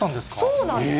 そうなんです。